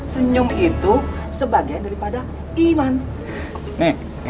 senyum itu sebagai daripada iman